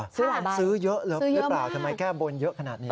เมื่อวานซื้อเยอะหรือเปล่าทำไมแก้บนเยอะขนาดนี้